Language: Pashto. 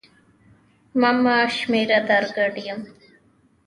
ما مه شمېره در ګډ یم